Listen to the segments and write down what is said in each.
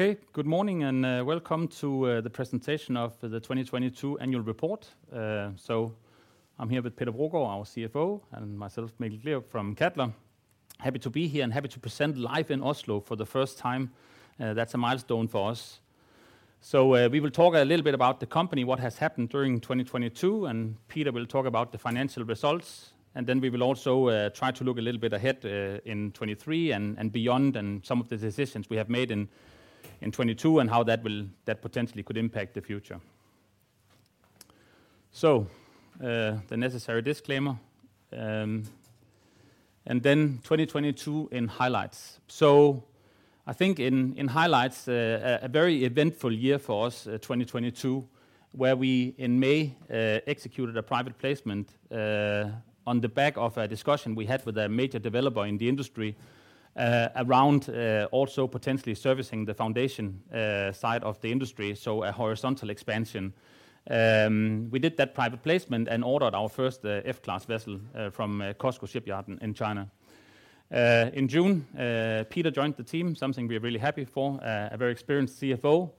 Okay. Good morning and welcome to the presentation of the 2022 annual report. I'm here with Peter Brogaard, our CFO, and myself, Mikkel Gleerup from Cadeler. Happy to be here and happy to present live in Oslo for the first time. That's a milestone for us. We will talk a little bit about the company, what has happened during 2022, and Peter will talk about the financial results. Then we will also try to look a little bit ahead in 2023 and beyond and some of the decisions we have made in 2022 and how that potentially could impact the future. The necessary disclaimer, and then 2022 in highlights. I think in highlights, a very eventful year for us, 2022, where we in May, executed a private placement, on the back of a discussion we had with a major developer in the industry, around, also potentially servicing the foundation, side of the industry, so a horizontal expansion. We did that private placement and ordered our first F-class vessel, from COSCO Shipyard in China. In June, Peter joined the team, something we're really happy for, a very experienced CFO.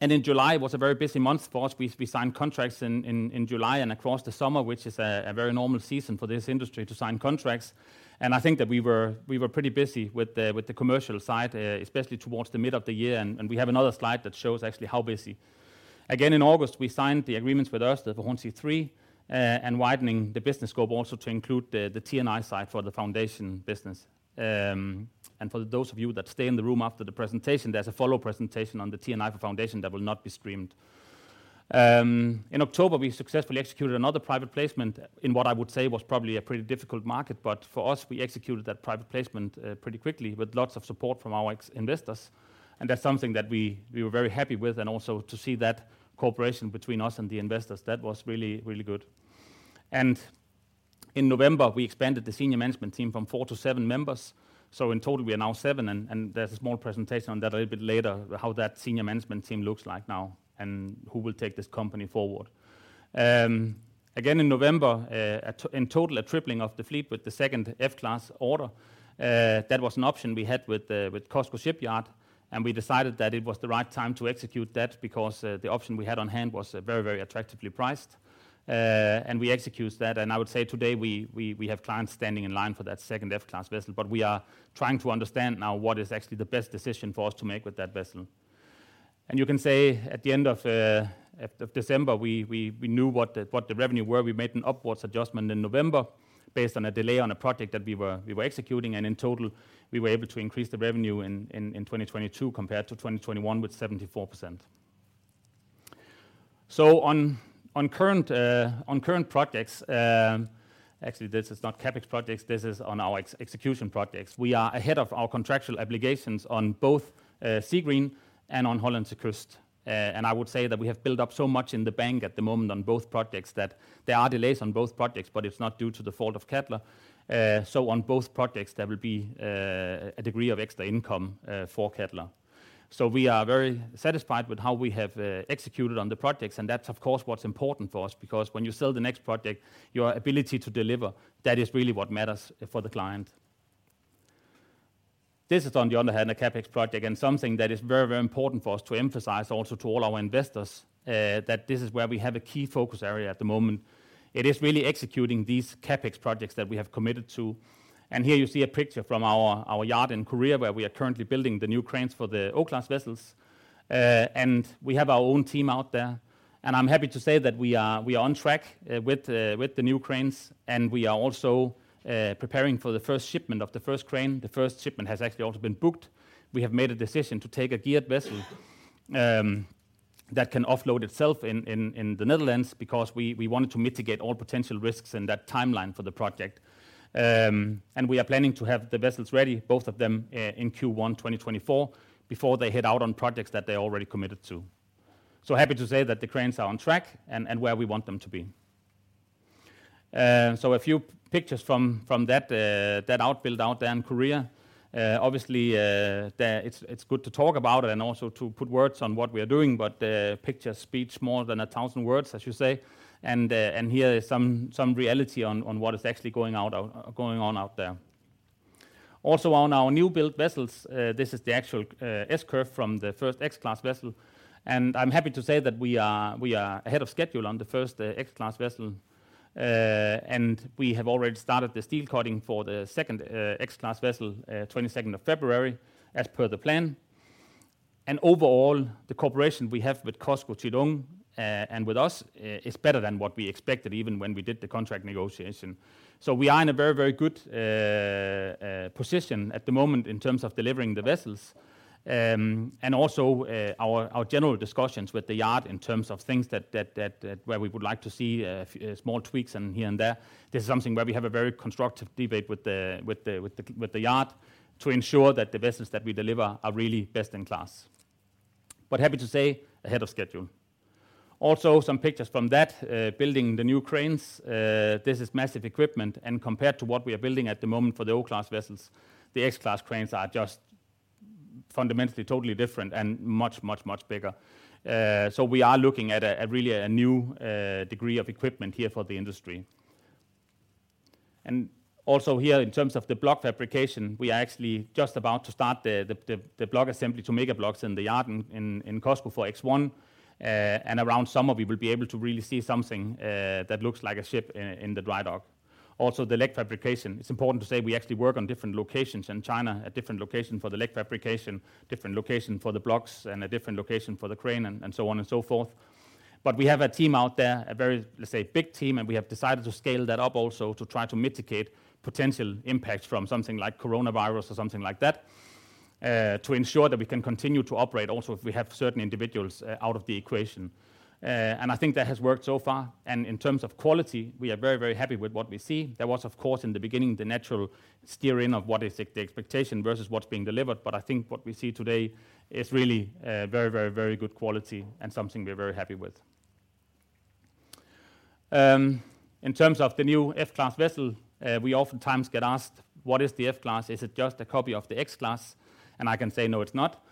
In July was a very busy month for us. We signed contracts in July and across the summer, which is a very normal season for this industry to sign contracts. I think that we were pretty busy with the commercial side, especially towards the mid of the year. We have another slide that shows actually how busy. Again, in August, we signed the agreements with Ørsted for Hornsea 3, and widening the business scope also to include the T&I side for the foundation business. For those of you that stay in the room after the presentation, there's a follow presentation on the T&I for foundation that will not be streamed. In October, we successfully executed another private placement in what I would say was probably a pretty difficult market. For us, we executed that private placement pretty quickly with lots of support from our ex-investors. That's something that we were very happy with. Also to see that cooperation between us and the investors, that was really good. In November, we expanded the senior management team from four to seven members. In total, we are now seven, and there's a small presentation on that a little bit later, how that senior management team looks like now and who will take this company forward. Again, in November, in total, a tripling of the fleet with the second F-class order. That was an option we had with COSCO Shipyard, and we decided that it was the right time to execute that because the option we had on hand was very attractively priced. We executed that. I would say today we have clients standing in line for that second F-class vessel, but we are trying to understand now what is actually the best decision for us to make with that vessel. You can say at the end of December, we knew what the revenue were. We made an upwards adjustment in November based on a delay on a project that we were executing. In total, we were able to increase the revenue in 2022 compared to 2021 with 74%. On current projects, actually, this is not CapEx projects, this is on our ex-execution projects. We are ahead of our contractual obligations on both Seagreen and on Hollandse Kust Zuid. I would say that we have built up so much in the bank at the moment on both projects that there are delays on both projects, but it's not due to the fault of Cadeler. On both projects, there will be a degree of extra income for Cadeler. We are very satisfied with how we have executed on the projects, and that's of course what's important for us because when you sell the next project, your ability to deliver, that is really what matters for the client. This is on the other hand, a CapEx project and something that is very, very important for us to emphasize also to all our investors, that this is where we have a key focus area at the moment. It is really executing these CapEx projects that we have committed to. Here you see a picture from our yard in Korea where we are currently building the new cranes for the O-class vessels. We have our own team out there. I'm happy to say that we are on track with the new cranes. We are also preparing for the first shipment of the first crane. The first shipment has actually also been booked. We have made a decision to take a geared vessel that can offload itself in the Netherlands because we wanted to mitigate all potential risks in that timeline for the project. We are planning to have the vessels ready, both of them, in Q1 2024 before they head out on projects that they're already committed to. Happy to say that the cranes are on track and where we want them to be. A few pictures from that outbuild out there in Korea. Obviously, it's good to talk about and also to put words on what we are doing, but picture speaks more than 1,000 words, as you say. Here is some reality on what is actually going on out there. Also on our newbuild vessels, this is the actual S-curve from the first X-class vessel. I'm happy to say that we are ahead of schedule on the first X-class vessel. We have already started the steel cutting for the second X-class vessel, 22nd of February as per the plan. Overall, the cooperation we have with COSCO Qidong and with us is better than what we expected even when we did the contract negotiation. We are in a very, very good position at the moment in terms of delivering the vessels. Also, our general discussions with the yard in terms of things that where we would like to see small tweaks here and there. This is something where we have a very constructive debate with the yard to ensure that the vessels that we deliver are really best in class. Happy to say ahead of schedule. Also some pictures from that, building the new cranes. This is massive equipment. Compared to what we are building at the moment for the O-class vessels, the X-class cranes are just fundamentally totally different and much, much, much bigger. We are looking at a really new degree of equipment here for the industry. Also here in terms of the block fabrication, we are actually just about to start the block assembly to make our blocks in the yard in COSCO Qidong for X1. Around summer, we will be able to really see something that looks like a ship in the dry dock. Also, the leg fabrication. It's important to say we actually work on different locations in China, a different location for the leg fabrication, different location for the blocks, and a different location for the crane and so on and so forth. We have a team out there, a very, let's say, big team, and we have decided to scale that up also to try to mitigate potential impacts from something like coronavirus or something like that, to ensure that we can continue to operate also if we have certain individuals out of the equation. I think that has worked so far. In terms of quality, we are very, very happy with what we see. There was, of course, in the beginning, the natural steering of what is the expectation versus what's being delivered. I think what we see today is really, very, very, very good quality and something we're very happy with. In terms of the new F-class vessel, we oftentimes get asked, "What is the F-class? Is it just a copy of the X-class?" I can say, no, it's not.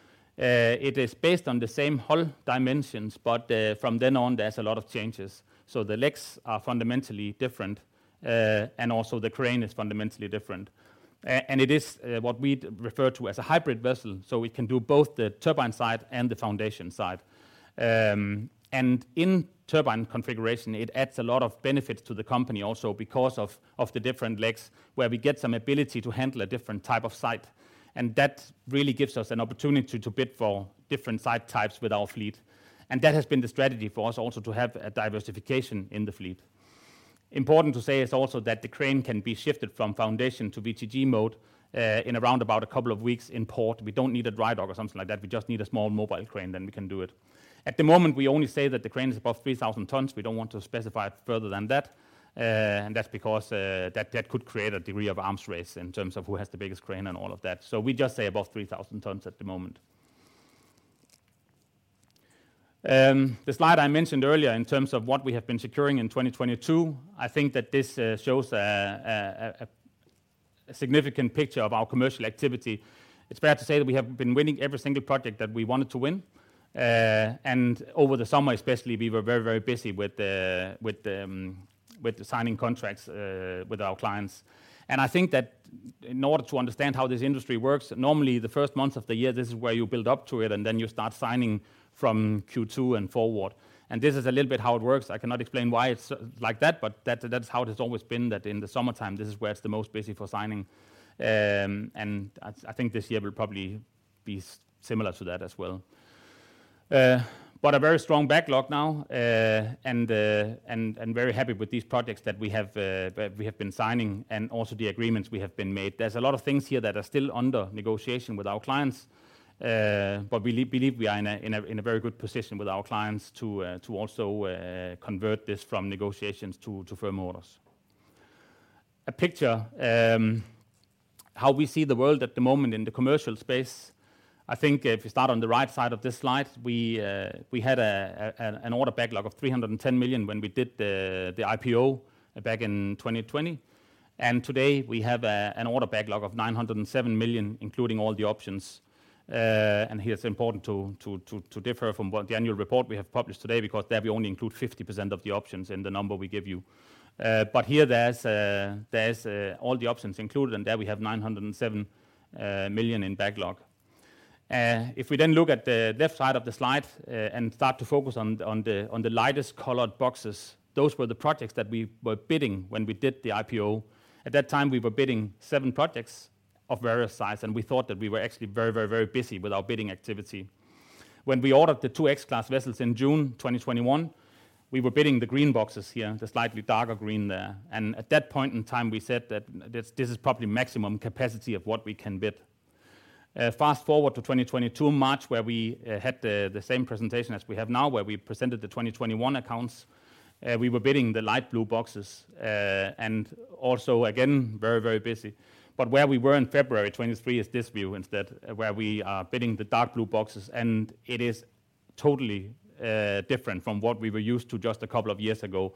It is based on the same hull dimensions, but from then on, there's a lot of changes. The legs are fundamentally different, and also the crane is fundamentally different. It is, what we'd refer to as a hybrid vessel, so we can do both the turbine side and the foundation side. In turbine configuration, it adds a lot of benefits to the company also because of the different legs, where we get some ability to handle a different type of site. That really gives us an opportunity to bid for different site types with our fleet. That has been the strategy for us also to have a diversification in the fleet. Important to say is also that the crane can be shifted from foundation to VTG mode in around about a couple of weeks in port. We don't need a dry dock or something like that. We just need a small mobile crane, then we can do it. At the moment, we only say that the crane is above 3,000 tons. We don't want to specify it further than that. That's because that could create a degree of arms race in terms of who has the biggest crane and all of that. We just say above 3,000 tons at the moment. The slide I mentioned earlier in terms of what we have been securing in 2022, I think that this shows a significant picture of our commercial activity. It's fair to say that we have been winning every single project that we wanted to win. Over the summer especially, we were very busy with signing contracts with our clients. I think that in order to understand how this industry works, normally the first months of the year, this is where you build up to it, and then you start signing from Q2 and forward. This is a little bit how it works. I cannot explain why it's like that's how it has always been that in the summertime, this is where it's the most busy for signing. I think this year will probably be similar to that as well. A very strong backlog now. Very happy with these projects that we have been signing and also the agreements we have been made. There's a lot of things here that are still under negotiation with our clients. We believe we are in a very good position with our clients to also convert this from negotiations to firm orders. A picture, how we see the world at the moment in the commercial space. I think if you start on the right side of this slide, we had an order backlog of $310 million when we did the IPO back in 2020. Today, we have an order backlog of $907 million, including all the options. Here it's important to differ from what the annual report we have published today, because there we only include 50% of the options in the number we give you. Here there's all the options included, and there we have $907 million in backlog. If we then look at the left side of the slide, start to focus on the lightest colored boxes, those were the projects that we were bidding when we did the IPO. At that time, we were bidding seven projects of various size, we thought that we were actually very busy with our bidding activity. When we ordered the two X-class vessels in June 2021, we were bidding the green boxes here, the slightly darker green there. At that point in time, we said that this is probably maximum capacity of what we can bid. Fast-forward to 2022 March, where we had the same presentation as we have now, where we presented the 2021 accounts, we were bidding the light blue boxes. Also again, very busy. Where we were in February 23 is this view instead, where we are bidding the dark blue boxes, and it is totally different from what we were used to just a couple of years ago.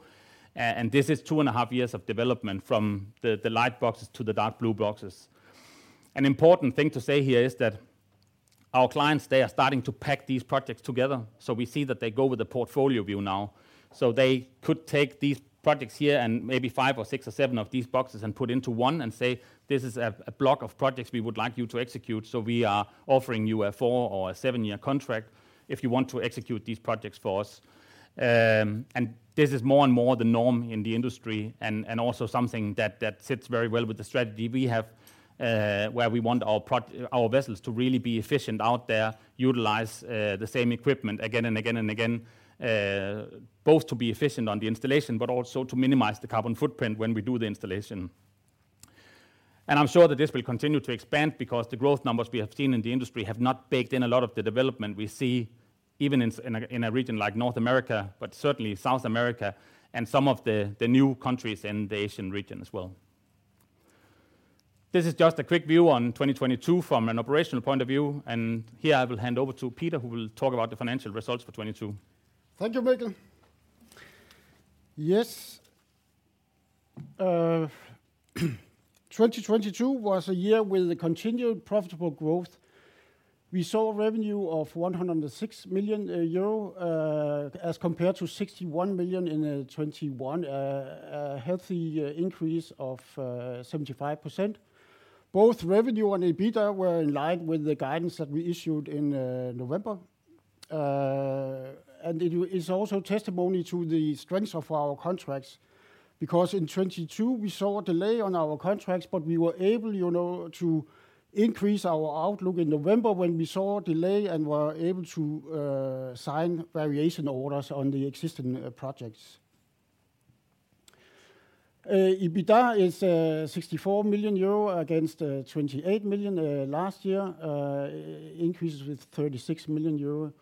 This is two and a half years of development from the light boxes to the dark blue boxes. An important thing to say here is that our clients, they are starting to pack these projects together. We see that they go with a portfolio view now. They could take these projects here and maybe five or six or seven of these boxes and put into one and say, "This is a block of projects we would like you to execute. We are offering you a four or a seven-year contract if you want to execute these projects for us." This is more and more the norm in the industry and also something that sits very well with the strategy we have, where we want our vessels to really be efficient out there, utilize the same equipment again and again and again, both to be efficient on the installation, but also to minimize the carbon footprint when we do the installation. I'm sure that this will continue to expand because the growth numbers we have seen in the industry have not baked in a lot of the development we see even in a, in a region like North America, but certainly South America and some of the new countries in the Asian region as well. This is just a quick view on 2022 from an operational point of view, and here I will hand over to Peter, who will talk about the financial results for 22. Thank you, Mikkel. Yes. 2022 was a year with a continued profitable growth. We saw revenue of 106 million euro, as compared to 61 million in 2021. A healthy increase of 75%. Both revenue and EBITDA were in line with the guidance that we issued in November. It is also testimony to the strength of our contracts, because in 2022 we saw a delay on our contracts, but we were able, you know, to increase our outlook in November when we saw a delay and were able to sign variation orders on the existing projects. EBITDA is 64 million euro against 28 million last year, increases with 36 million euro.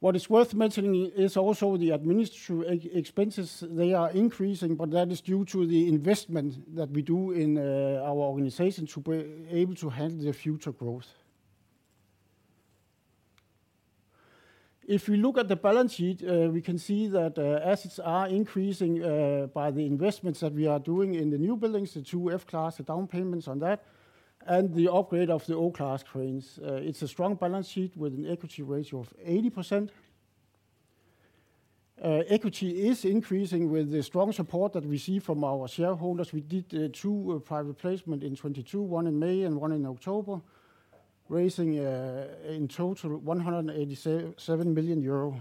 What is worth mentioning is also the administrative expenses, they are increasing, but that is due to the investment that we do in our organization to be able to handle the future growth. If we look at the balance sheet, we can see that assets are increasing by the investments that we are doing in the new buildings, the two F-class, the down payments on that, and the upgrade of the O-class cranes. It's a strong balance sheet with an equity ratio of 80%. Equity is increasing with the strong support that we see from our shareholders. We did two private placement in 2022, one in May and one in October, raising in total EUR 187 million.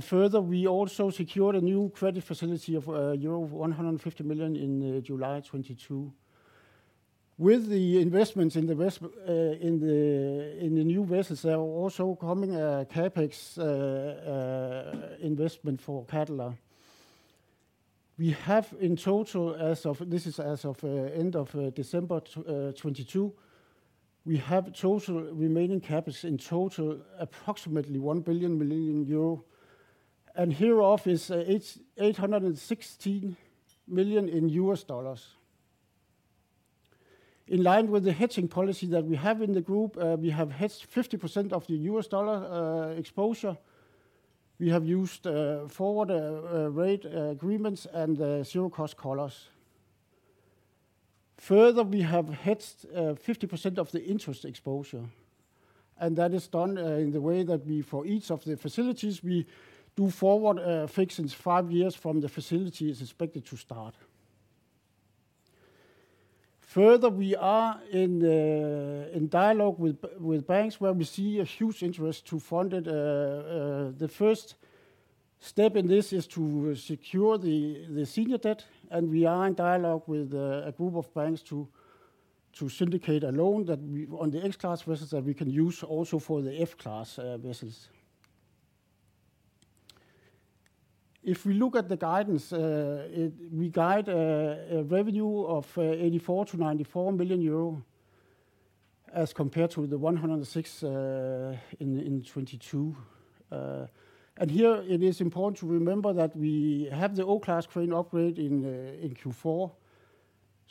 Further, we also secured a new credit facility of euro 150 million in July 2022. With the investments in the new vessels, there are also coming a CapEx investment for Cadeler. We have in total as of end of December 2022. We have total remaining CapEx in total approximately 1 billion million euro, and hereof is $816 million in US dollars. In line with the hedging policy that we have in the group, we have hedged 50% of the US dollar exposure. We have used forward rate agreements and zero-cost collars. Further we have hedged 50% of the interest exposure, and that is done in the way that we, for each of the facilities, we do forward fixes 5 years from the facility is expected to start. We are in dialogue with banks where we see a huge interest to fund it. The first step in this is to secure the senior debt, and we are in dialogue with a group of banks to syndicate a loan on the X-class vessels that we can use also for the F-class vessels. If we look at the guidance, we guide a revenue of 84 million-94 million euro as compared to 106 million in 2022. Here it is important to remember that we have the O-class crane upgrade in Q4.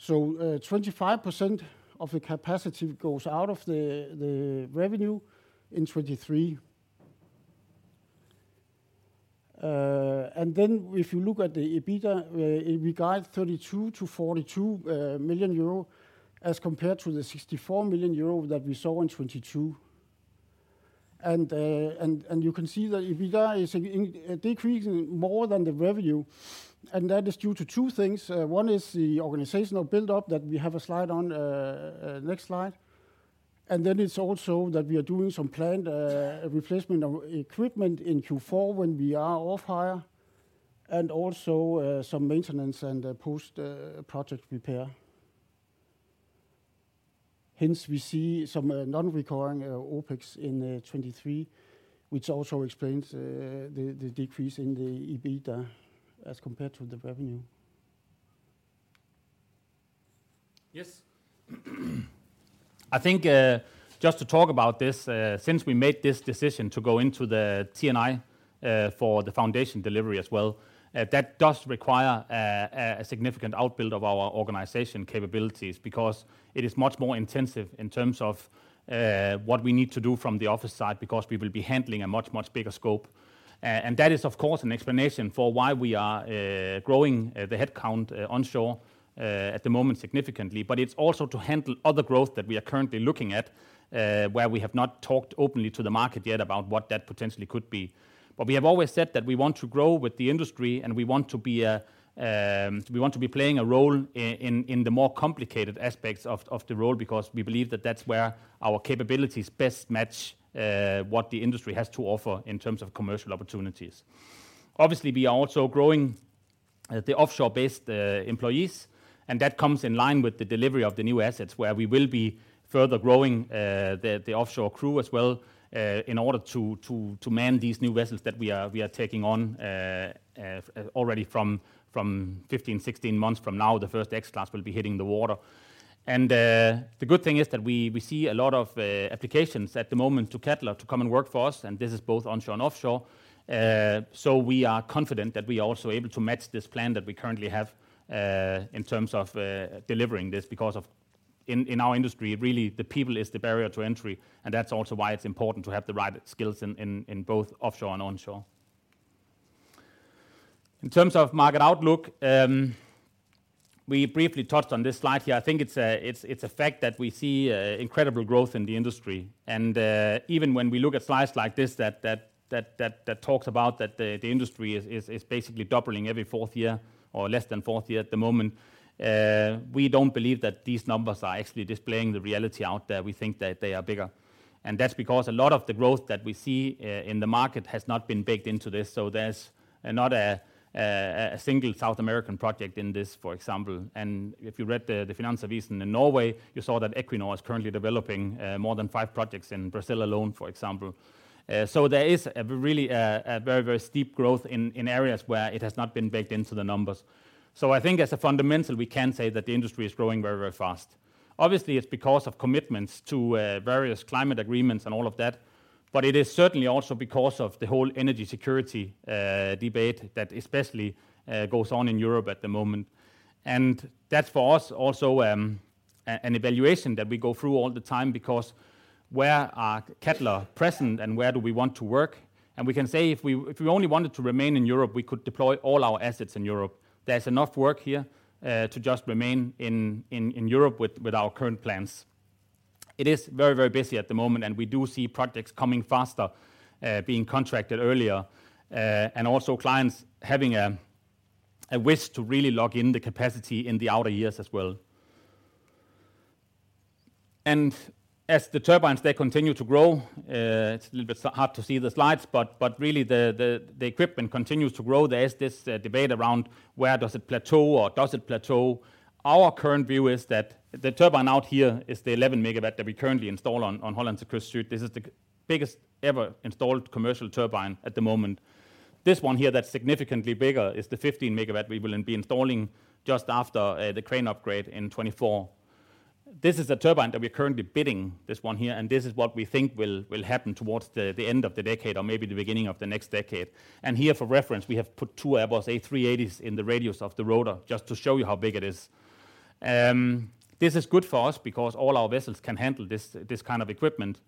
25% of the capacity goes out of the revenue in 2023. If you look at the EBITDA, we guide 32 million-42 million euro as compared to the 64 million euro that we saw in 2022. You can see the EBITDA is decreasing more than the revenue, and that is due to two things. One is the organizational build-up that we have a slide on next slide. It's also that we are doing some planned replacement of equipment in Q4 when we are off hire, and also some maintenance and post project repair. Hence we see some non-recurring OpEx in 2023, which also explains the decrease in the EBITDA as compared to the revenue. Yes. I think, just to talk about this, since we made this decision to go into the T&I for the foundation delivery as well, that does require a significant outbuild of our organization capabilities because it is much more intensive in terms of what we need to do from the office side because we will be handling a much, much bigger scope. That is of course an explanation for why we are growing the headcount onshore at the moment significantly. It's also to handle other growth that we are currently looking at, where we have not talked openly to the market yet about what that potentially could be. We have always said that we want to grow with the industry, and we want to be a, we want to be playing a role in the more complicated aspects of the role, because we believe that that's where our capabilities best match, what the industry has to offer in terms of commercial opportunities. Obviously, we are also growing, the offshore-based, employees, and that comes in line with the delivery of the new assets, where we will be further growing, the offshore crew as well, in order to man these new vessels that we are taking on. Already from 15, 16 months from now, the first X-class will be hitting the water. The good thing is that we see a lot of applications at the moment to Cadeler to come and work for us, and this is both onshore and offshore. We are confident that we are also able to match this plan that we currently have in terms of delivering this because in our industry, really the people is the barrier to entry, and that's also why it's important to have the right skills in both offshore and onshore. In terms of market outlook, we briefly touched on this slide here. I think it's a fact that we see incredible growth in the industry. Even when we look at slides like this, that talks about that the industry is basically doubling every fourth year or less than fourth year at the moment. We don't believe that these numbers are actually displaying the reality out there. We think that they are bigger. That's because a lot of the growth that we see in the market has not been baked into this. So there's not a single South American project in this, for example. If you read the Finansavisen in Norway, you saw that Equinor is currently developing more than five projects in Brazil alone, for example. There is a really a very steep growth in areas where it has not been baked into the numbers. I think as a fundamental, we can say that the industry is growing very, very fast. Obviously, it's because of commitments to various climate agreements and all of that, but it is certainly also because of the whole energy security debate that especially goes on in Europe at the moment. That's for us also an evaluation that we go through all the time because where are Cadeler present and where do we want to work? We can say if we only wanted to remain in Europe, we could deploy all our assets in Europe. There's enough work here to just remain in Europe with our current plans. It is very, very busy at the moment. We do see projects coming faster, being contracted earlier, and also clients having a wish to really lock in the capacity in the outer years as well. As the turbines there continue to grow, it's a little bit hard to see the slides, but really the equipment continues to grow. There is this debate around where does it plateau or does it plateau? Our current view is that the turbine out here is the 11 megawatt that we currently install on Hollandse Kust Zuid. This is the biggest ever installed commercial turbine at the moment. This one here that's significantly bigger is the 15 megawatt we will be installing just after the crane upgrade in 2024. This is a turbine that we're currently bidding, this one here, and this is what we think will happen towards the end of the decade or maybe the beginning of the next decade. Here for reference, we have put two Airbus A380s in the radius of the rotor just to show you how big it is. This is good for us because all our vessels can handle this kind of equipment.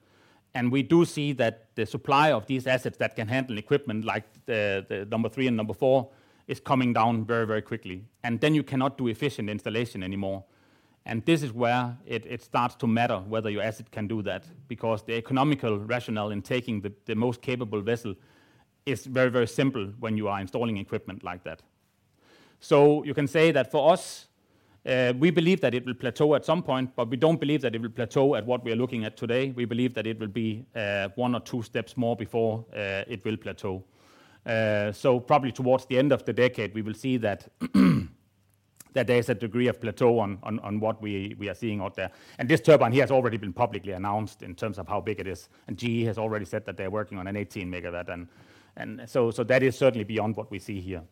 We do see that the supply of these assets that can handle equipment like the number three and number four is coming down very quickly. Then you cannot do efficient installation anymore. This is where it starts to matter whether your asset can do that because the economical rationale in taking the most capable vessel is very simple when you are installing equipment like that. You can say that for us, we believe that it will plateau at some point, but we don't believe that it will plateau at what we are looking at today. We believe that it will be one or two steps more before it will plateau. Probably towards the end of the decade, we will see that there is a degree of plateau on what we are seeing out there. This turbine here has already been publicly announced in terms of how big it is, and GE has already said that they're working on an 18 megawatt. So that is certainly beyond what we see here.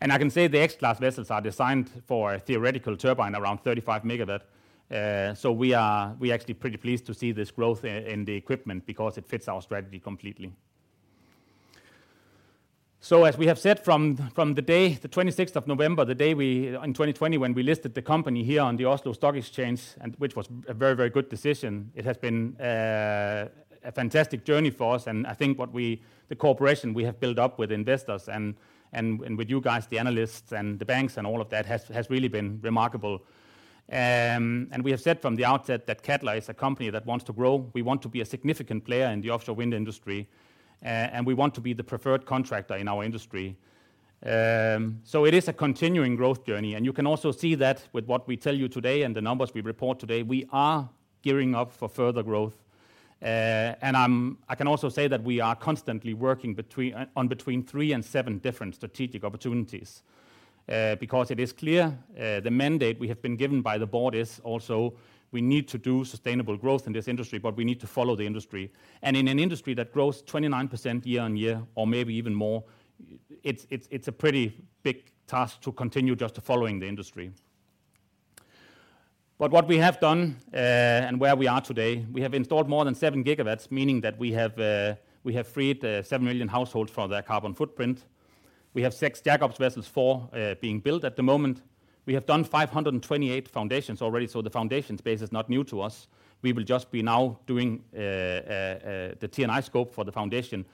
I can say the X-class vessels are designed for a theoretical turbine around 35 megawatt. We're actually pretty pleased to see this growth in the equipment because it fits our strategy completely. As we have said from the day, the 26th of November, the day in 2020 when we listed the company here on the Oslo Stock Exchange, which was a very good decision, it has been a fantastic journey for us, and I think the cooperation we have built up with investors and with you guys, the analysts and the banks and all of that has really been remarkable. We have said from the outset that Cadeler is a company that wants to grow. We want to be a significant player in the offshore wind industry, and we want to be the preferred contractor in our industry. It is a continuing growth journey, and you can also see that with what we tell you today and the numbers we report today, we are gearing up for further growth. I can also say that we are constantly working on between three and seven different strategic opportunities, because it is clear, the mandate we have been given by the board is also we need to do sustainable growth in this industry, but we need to follow the industry. In an industry that grows 29% year on year or maybe even more, it's a pretty big task to continue just following the industry. What we have done, and where we are today, we have installed more than seven gigawatts, meaning that we have freed seven million households from their carbon footprint. We have six Jack-ups vessels four being built at the moment. We have done 528 foundations already, so the foundation space is not new to us. We will just be now doing the T&I scope for the foundation,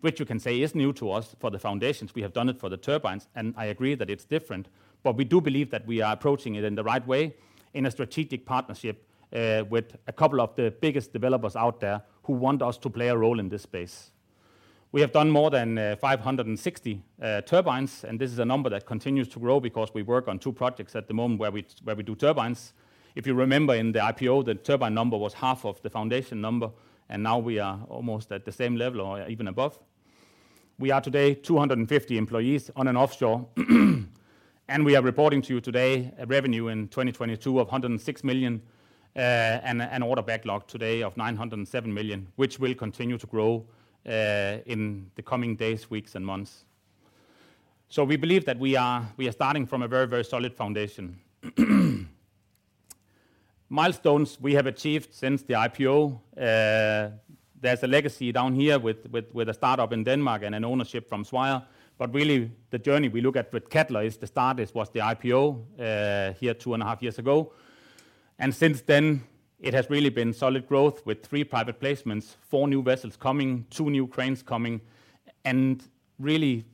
which you can say is new to us for the foundations. We have done it for the turbines, and I agree that it's different. We do believe that we are approaching it in the right way in a strategic partnership with a couple of the biggest developers out there who want us to play a role in this space. We have done more than 560 turbines, and this is a number that continues to grow because we work on two projects at the moment where we do turbines. If you remember in the IPO, the turbine number was half of the foundation number. Now we are almost at the same level or even above. We are today 250 employees on and offshore. We are reporting to you today a revenue in 2022 of 106 million, and an order backlog today of 907 million, which will continue to grow in the coming days, weeks, and months. We believe that we are starting from a very, very solid foundation. Milestones we have achieved since the IPO, there's a legacy down here with a startup in Denmark and an ownership from Swire. Really the journey we look at with Cadeler is the start was the IPO here two and a half years ago. Since then, it has really been solid growth with three private placements, four new vessels coming, two new cranes coming. Really,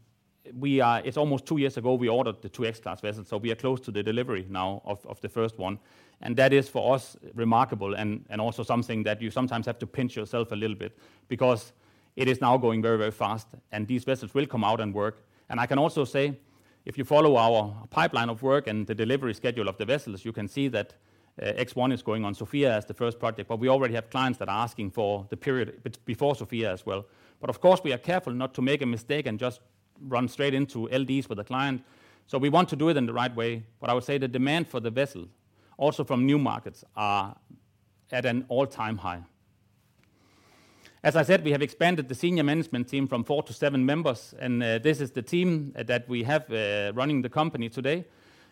it's almost two years ago, we ordered the two X-class vessels, so we are close to the delivery now of the first one. That is for us remarkable and also something that you sometimes have to pinch yourself a little bit because it is now going very, very fast, and these vessels will come out and work. I can also say, if you follow our pipeline of work and the delivery schedule of the vessels, you can see that X1 is going on Sofia as the first project. We already have clients that are asking for the period before Sofia as well. Of course, we are careful not to make a mistake and just run straight into LDs with a client. We want to do it in the right way. I would say the demand for the vessel, also from new markets, are at an all-time high. As I said, we have expanded the senior management team from four to seven members, and this is the team that we have running the company today.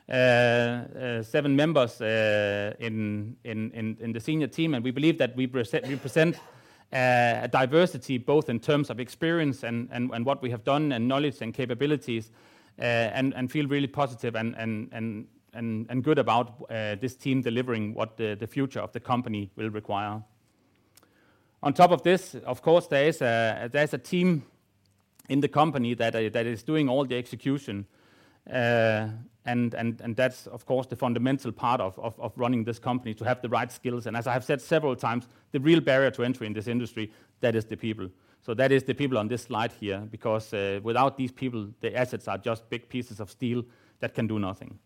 Seven members in the senior team, and we believe that we present a diversity both in terms of experience and what we have done, and knowledge and capabilities, and feel really positive and good about this team delivering what the future of the company will require. On top of this, of course, there's a team in the company that is doing all the execution. That's of course the fundamental part of running this company to have the right skills. As I have said several times, the real barrier to entry in this industry, that is the people. That is the people on this slide here, because without these people, the assets are just big pieces of steel that can do nothing.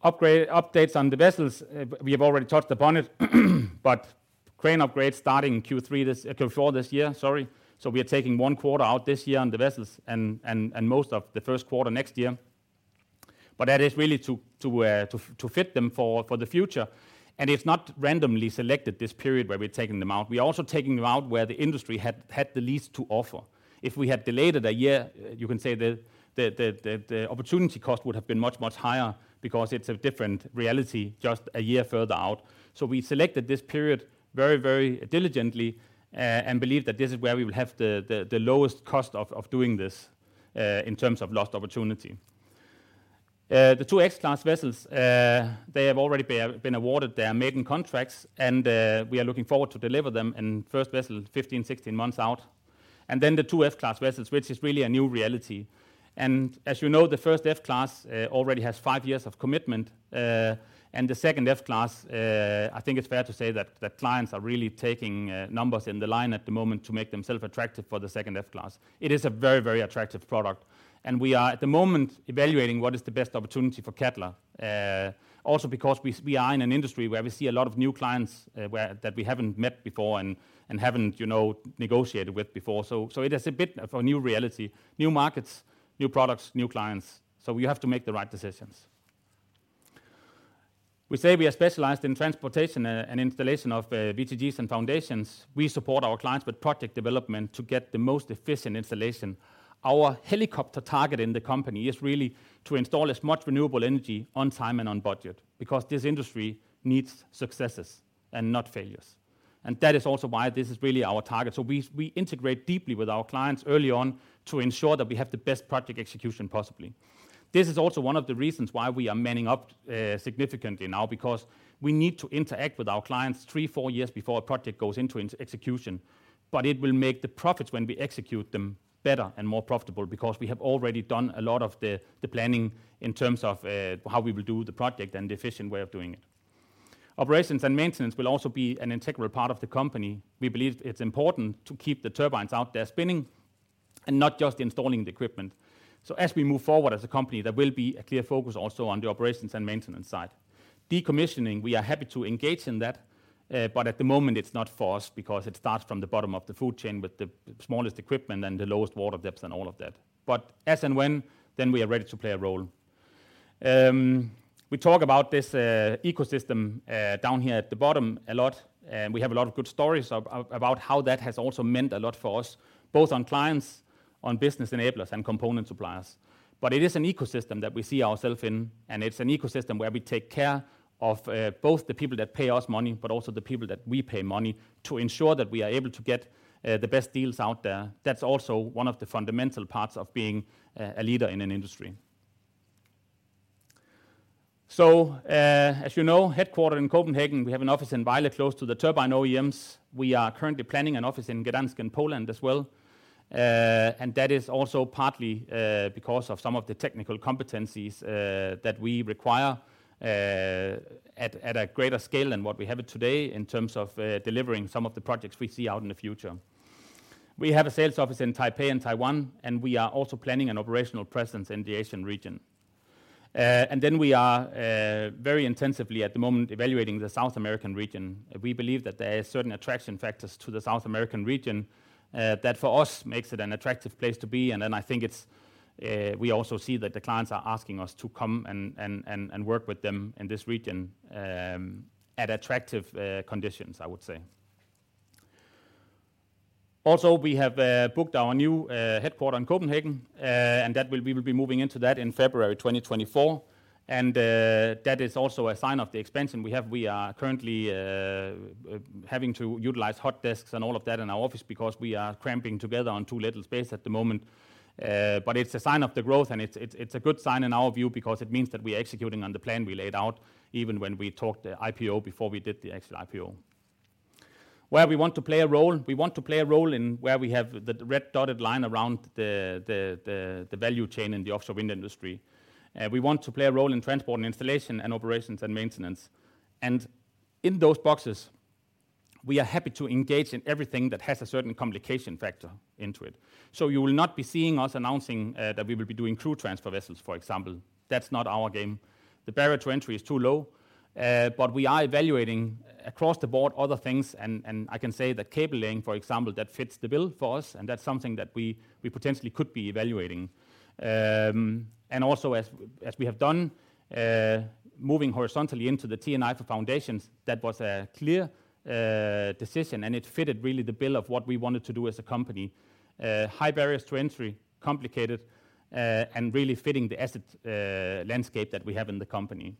Updates on the vessels, we have already touched upon it. Crane upgrades starting in Q4 this year, sorry. We are taking one quarter out this year on the vessels and most of the first quarter next year. That is really to fit them for the future. It's not randomly selected this period where we're taking them out. We're also taking them out where the industry had the least to offer. If we had delayed it a year, you can say the opportunity cost would have been much higher because it's a different reality just a year further out. We selected this period very, very diligently and believe that this is where we will have the lowest cost of doing this in terms of lost opportunity. The two X-class vessels, they have already been awarded their maiden contracts, and we are looking forward to deliver them. First vessel, 15, 16 months out. Then the two F-class vessels, which is really a new reality. As you know, the first F-class already has five years of commitment. The second F-class, I think it's fair to say that the clients are really taking numbers in the line at the moment to make themselves attractive for the second F-class. It is a very, very attractive product. We are at the moment evaluating what is the best opportunity for Cadeler. Also because we are in an industry where we see a lot of new clients, that we haven't met before and haven't, you know, negotiated with before. It is a bit of a new reality, new markets, new products, new clients, so we have to make the right decisions. We say we are specialized in transportation and installation of VTGs and foundations. We support our clients with project development to get the most efficient installation. Our high-level target in the company is really to install as much renewable energy on time and on budget because this industry needs successes and not failures. That is also why this is really our target. We integrate deeply with our clients early on to ensure that we have the best project execution possibly. This is also one of the reasons why we are manning up significantly now because we need to interact with our clients three four years before a project goes into execution. It will make the profits when we execute them better and more profitable because we have already done a lot of the planning in terms of how we will do the project and the efficient way of doing it. Operations and maintenance will also be an integral part of the company. We believe it's important to keep the turbines out there spinning and not just installing the equipment. As we move forward as a company, there will be a clear focus also on the operations and maintenance side. Decommissioning, we are happy to engage in that, at the moment it's not for us because it starts from the bottom of the food chain with the smallest equipment and the lowest water depths and all of that. As and when, then we are ready to play a role. We talk about this ecosystem down here at the bottom a lot, and we have a lot of good stories about how that has also meant a lot for us, both on clients, on business enablers and component suppliers. It is an ecosystem that we see ourselves in, and it's an ecosystem where we take care of, both the people that pay us money, but also the people that we pay money to ensure that we are able to get the best deals out there. That's also one of the fundamental parts of being a leader in an industry. As you know, headquartered in Copenhagen, we have an office in Vejle close to the turbine OEMs. We are currently planning an office in Gdansk in Poland as well. That is also partly because of some of the technical competencies that we require at a greater scale than what we have it today in terms of delivering some of the projects we see out in the future. We have a sales office in Taipei in Taiwan, and we are also planning an operational presence in the Asian region. We are very intensively at the moment evaluating the South American region. We believe that there are certain attraction factors to the South American region, that for us makes it an attractive place to be. I think it's, we also see that the clients are asking us to come and work with them in this region, at attractive conditions, I would say. Also, we have booked our new headquarter in Copenhagen, we will be moving into that in February 2024. That is also a sign of the expansion we have. We are currently having to utilize hot desks and all of that in our office because we are cramping together on too little space at the moment. It's a sign of the growth, and it's a good sign in our view because it means that we are executing on the plan we laid out even when we talked IPO before we did the actual IPO. Where we want to play a role, we want to play a role in where we have the red dotted line around the value chain in the offshore wind industry. We want to play a role in transport and installation and operations and maintenance. In those boxes, we are happy to engage in everything that has a certain complication factor into it. You will not be seeing us announcing that we will be doing crew transfer vessels, for example. That's not our game. The barrier to entry is too low. We are evaluating across the board other things, and I can say that cabling, for example, that fits the bill for us, and that's something that we potentially could be evaluating. And also as we have done, moving horizontally into the T&I for foundations, that was a clear decision, and it fitted really the bill of what we wanted to do as a company. High barriers to entry, complicated, and really fitting the asset landscape that we have in the company.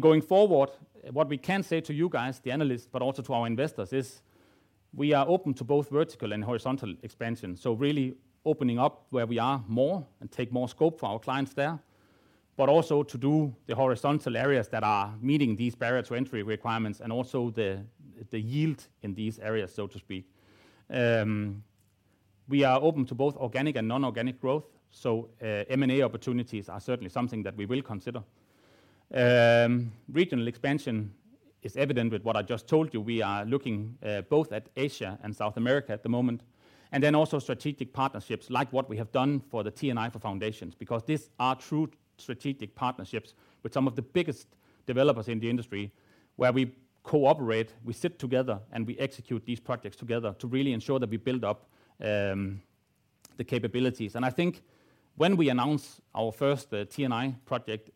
Going forward, what we can say to you guys, the analysts, but also to our investors, is we are open to both vertical and horizontal expansion. Really opening up where we are more and take more scope for our clients there, but also to do the horizontal areas that are meeting these barrier to entry requirements and also the yield in these areas, so to speak. We are open to both organic and non-organic growth, so M&A opportunities are certainly something that we will consider. Regional expansion is evident with what I just told you. We are looking both at Asia and South America at the moment. Also strategic partnerships like what we have done for the T&I for foundations, because these are true strategic partnerships with some of the biggest developers in the industry, where we cooperate, we sit together, and we execute these projects together to really ensure that we build up the capabilities. I think when we announce our first T&I project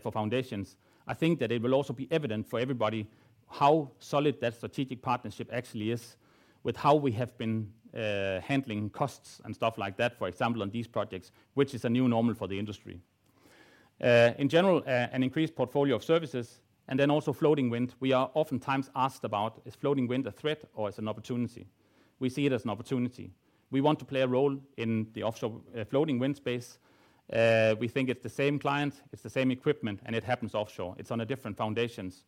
for foundations, I think that it will also be evident for everybody how solid that strategic partnership actually is with how we have been handling costs and stuff like that, for example, on these projects, which is a new normal for the industry. In general, an increased portfolio of services and then also floating wind, we are oftentimes asked about, is floating wind a threat or is an opportunity? We see it as an opportunity. We want to play a role in the offshore floating wind space. We think it's the same clients, it's the same equipment, and it happens offshore. It's on a different foundations.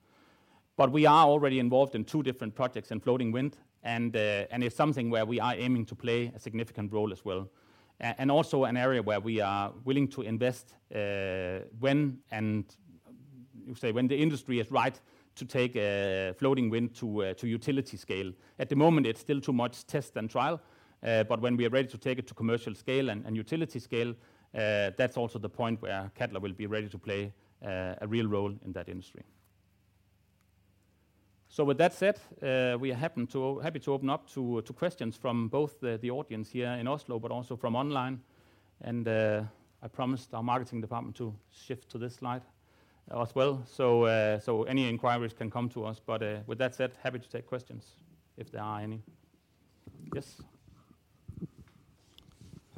We are already involved in two different projects in floating wind, and it's something where we are aiming to play a significant role as well. And also an area where we are willing to invest, when and, you say, when the industry is right to take floating wind to utility scale. At the moment, it's still too much test and trial, but when we are ready to take it to commercial scale and utility scale, that's also the point where Cadeler will be ready to play a real role in that industry. With that said, we are happy to open up to questions from both the audience here in Oslo, but also from online. I promised our marketing department to shift to this slide as well. Any inquiries can come to us. With that said, happy to take questions if there are any. Yes.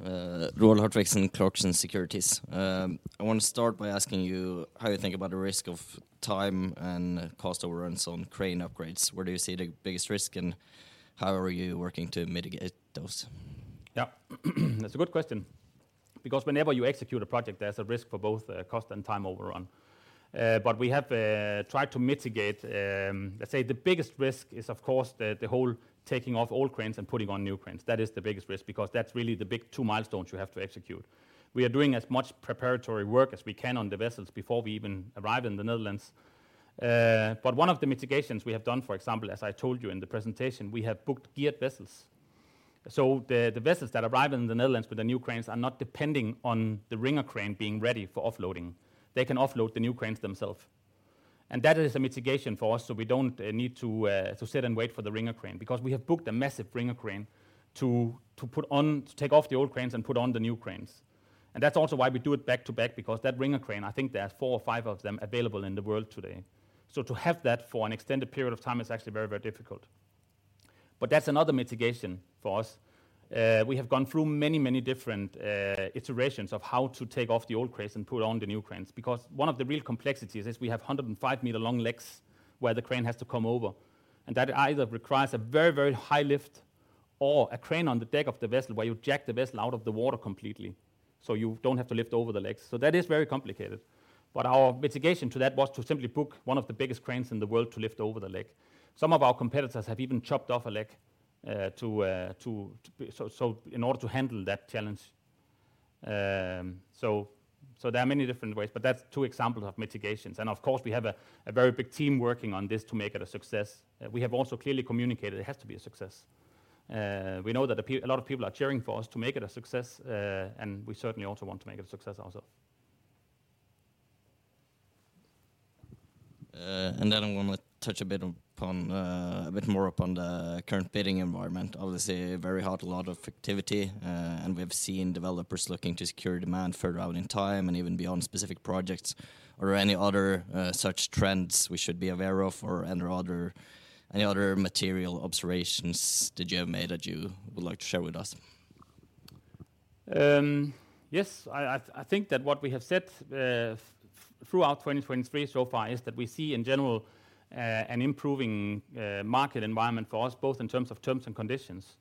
Roald Hartvigsen from Clarksons Securities. I wanna start by asking you how you think about the risk of time and cost overruns on crane upgrades. Where do you see the biggest risk, and how are you working to mitigate those? That's a good question because whenever you execute a project, there's a risk for both cost and time overrun. We have tried to mitigate. Let's say the biggest risk is, of course, the whole taking off old cranes and putting on new cranes. That is the biggest risk because that's really the big two milestones you have to execute. We are doing as much preparatory work as we can on the vessels before we even arrive in the Netherlands. One of the mitigations we have done, for example, as I told you in the presentation, we have booked geared vessels. The vessels that arrive in the Netherlands with the new cranes are not depending on the ringer crane being ready for offloading. They can offload the new cranes themselves. That is a mitigation for us, so we don't need to sit and wait for the ringer crane because we have booked a massive ringer crane to take off the old cranes and put on the new cranes. That's also why we do it back to back because that ringer crane, I think there are four or five of them available in the world today. To have that for an extended period of time is actually very, very difficult. That's another mitigation for us. We have gone through many, many different iterations of how to take off the old cranes and put on the new cranes because one of the real complexities is we have 105 meter long legs where the crane has to come over, and that either requires a very, very high lift or a crane on the deck of the vessel where you jack the vessel out of the water completely, so you don't have to lift over the legs. That is very complicated. Our mitigation to that was to simply book one of the biggest cranes in the world to lift over the leg. Some of our competitors have even chopped off a leg in order to handle that challenge. There are many different ways, but that's two examples of mitigations. Of course, we have a very big team working on this to make it a success. We have also clearly communicated it has to be a success. We know that a lot of people are cheering for us to make it a success, and we certainly also want to make it a success ourself. I wanna touch a bit upon a bit more upon the current bidding environment. Obviously, very hot, a lot of activity, and we have seen developers looking to secure demand further out in time and even beyond specific projects. Are there any other such trends we should be aware of or any other material observations that you have made that you would like to share with us? Yes. I think that what we have said throughout 2023 so far is that we see in general an improving market environment for us, both in terms of terms and conditions.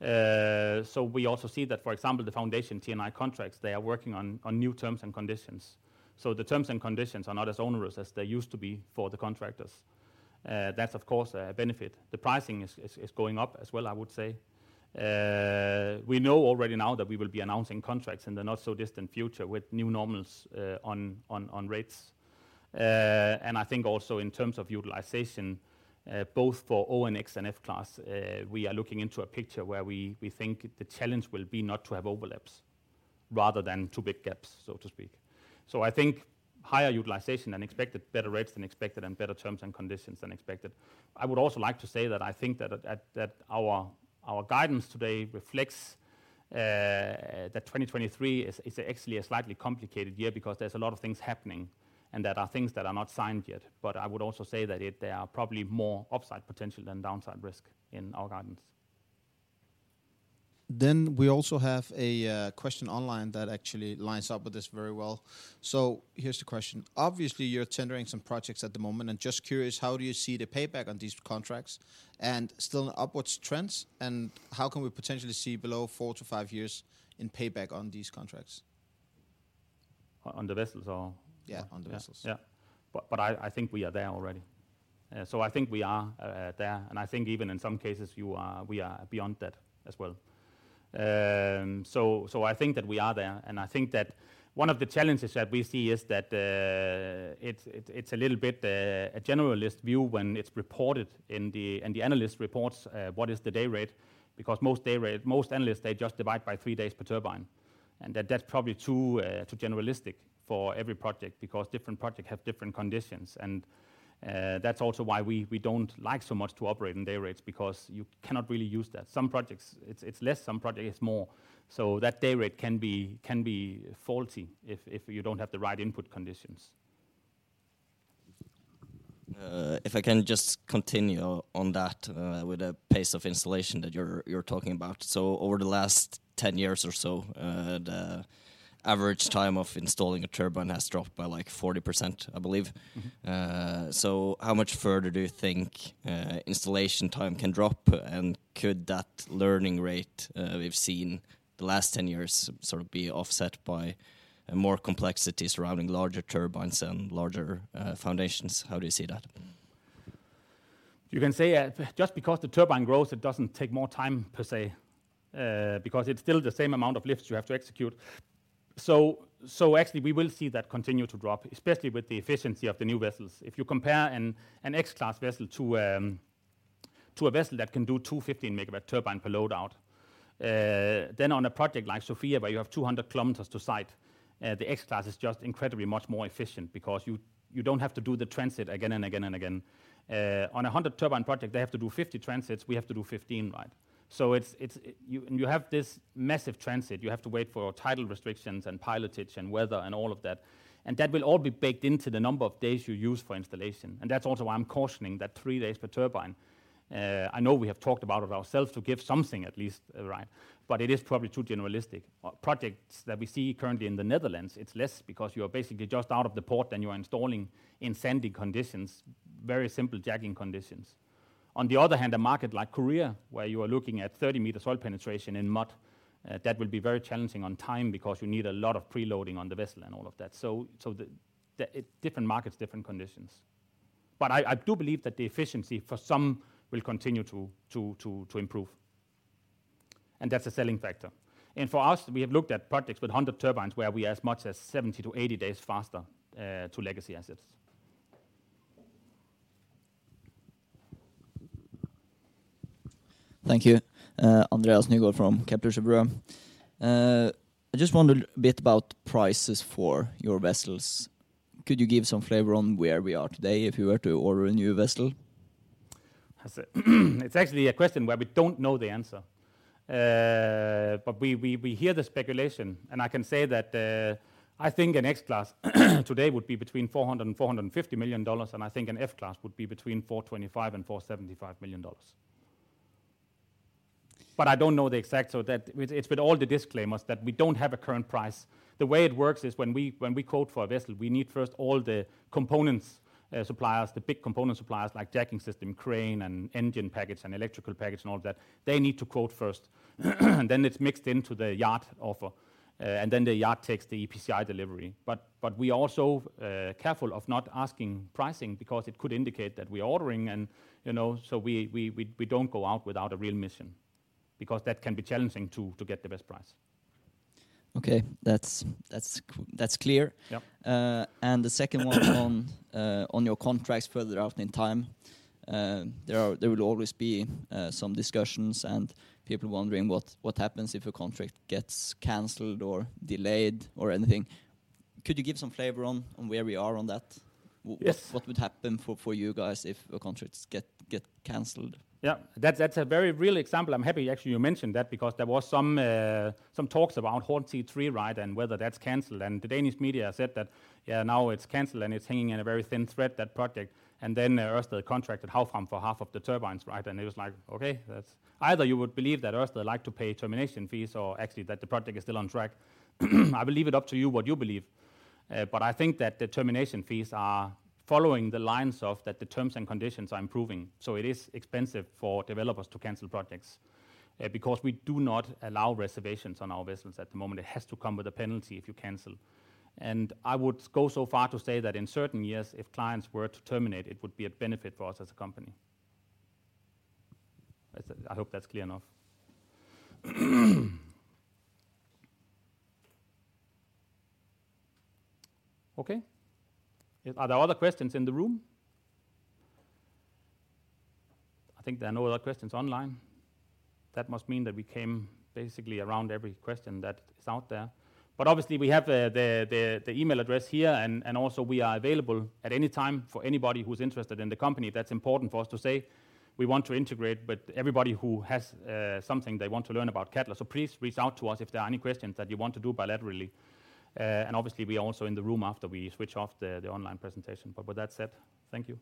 We also see that, for example, the foundation T&I contracts, they are working on new terms and conditions. The terms and conditions are not as onerous as they used to be for the contractors. That's of course a benefit. The pricing is going up as well, I would say. We know already now that we will be announcing contracts in the not-so-distant future with new normals on rates. And I think also in terms of utilization, both for O&X and F-class, we are looking into a picture where we think the challenge will be not to have overlaps rather than two big gaps, so to speak. I think higher utilization than expected, better rates than expected, and better terms and conditions than expected. I would also like to say that I think that our guidance today reflects that 2023 is actually a slightly complicated year because there's a lot of things happening and there are things that are not signed yet. I would also say that there are probably more upside potential than downside risk in our guidance. We also have a question online that actually lines up with this very well. Here's the question: Obviously, you're tendering some projects at the moment, and just curious, how do you see the payback on these contracts, and still an upwards trends, and how can we potentially see below 4-5 years in payback on these contracts? On the vessels. Yeah. On the vessels. Yeah. Yeah. I think we are there already. I think we are there, and I think even in some cases, we are beyond that as well. I think that we are there, and I think that one of the challenges that we see is that it's a little bit a generalist view when it's reported in the analyst reports, what is the day rate, because most analysts, they just divide by three days per turbine. That's probably too generalistic for every project because different project have different conditions and that's also why we don't like so much to operate in day rates because you cannot really use that. Some projects, it's less, some projects, it's more. That day rate can be faulty if you don't have the right input conditions. If I can just continue on that, with the pace of installation that you're talking about. Over the last 10 years or so, the average time of installing a turbine has dropped by like 40%, I believe. Mm-hmm. How much further do you think installation time can drop? Could that learning rate we've seen the last 10 years sort of be offset by more complexity surrounding larger turbines and larger foundations? How do you see that? You can say, just because the turbine grows, it doesn't take more time per se, because it's still the same amount of lifts you have to execute. Actually we will see that continue to drop, especially with the efficiency of the new vessels. If you compare an X-class vessel to a vessel that can do 215 megawatt turbine per load out, then on a project like Sofia, where you have 200 kilometers to site, the X-class is just incredibly much more efficient because you don't have to do the transit again and again and again. On a 100 turbine project, they have to do 50 transits, we have to do 15, right? It's. You have this massive transit. You have to wait for tidal restrictions and pilotage and weather and all of that. That will all be baked into the number of days you use for installation. That's also why I'm cautioning that 3 days per turbine. I know we have talked about it ourselves to give something at least, right? It is probably too generalistic. Projects that we see currently in the Netherlands, it's less because you are basically just out of the port, then you are installing in sandy conditions, very simple jacking conditions. On the other hand, a market like Korea, where you are looking at 30 meter soil penetration in mud, that will be very challenging on time because you need a lot of preloading on the vessel and all of that. Different markets, different conditions. I do believe that the efficiency for some will continue to improve, and that's a selling factor. For us, we have looked at projects with 100 turbines where we as much as 70 to 80 days faster to legacy assets. Thank you. Andreas Nygaard from Kepler Cheuvreux. I just wonder a bit about prices for your vessels. Could you give some flavor on where we are today if you were to order a new vessel? It's actually a question where we don't know the answer. We hear the speculation, and I can say that I think an X-class today would be between $400 million-$450 million, and I think an F-class would be between $425 million-$475 million. I don't know the exact, so it's with all the disclaimers that we don't have a current price. The way it works is when we, when we quote for a vessel, we need first all the components, suppliers, the big component suppliers like jacking system, crane, and engine package, and electrical package, and all that. They need to quote first, then it's mixed into the yard offer, and then the yard takes the EPCI delivery. We are also careful of not asking pricing because it could indicate that we are ordering and, you know, so we don't go out without a real mission because that can be challenging to get the best price. Okay. That's clear. Yeah. The second one on your contracts further out in time, there will always be some discussions and people wondering what happens if a contract gets canceled or delayed or anything. Could you give some flavor on where we are on that? Yes. What would happen for you guys if your contracts get canceled? Yeah. That's a very real example. I'm happy actually you mentioned that because there was some talks about Hornsea 3, right? Whether that's canceled. The Danish media said that, "Yeah, now it's canceled, and it's hanging in a very thin thread, that project." Ørsted contracted Havfram for half of the turbines, right? It was like, okay, either you would believe that Ørsted like to pay termination fees or actually that the project is still on track. I will leave it up to you what you believe. But I think that the termination fees are following the lines of that the terms and conditions are improving. It is expensive for developers to cancel projects because we do not allow reservations on our vessels at the moment. It has to come with a penalty if you cancel. I would go so far to say that in certain years, if clients were to terminate, it would be a benefit for us as a company. That's it. I hope that's clear enough. Okay. Are there other questions in the room? I think there are no other questions online. That must mean that we came basically around every question that is out there. Obviously, we have the email address here and also we are available at any time for anybody who's interested in the company. That's important for us to say. We want to integrate with everybody who has something they want to learn about Cadeler. Please reach out to us if there are any questions that you want to do bilaterally. Obviously, we are also in the room after we switch off the online presentation. With that said, thank you.